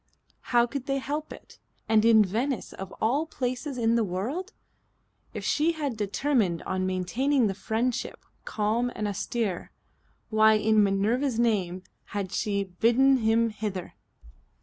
How could they help it and in Venice of all places in the world? If she had determined on maintaining the friendship calm and austere, why in Minerva's name had she bidden him hither?